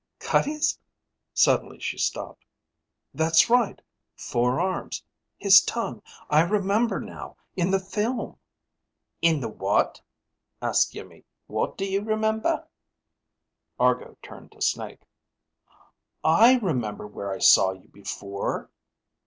"Cut his ?" Suddenly she stopped. "That's right: four arms, his tongue I remember now, in the film!" "In the what?" asked Iimmi. "What do you remember?" Argo turned to Snake. "I remember where I saw you before!"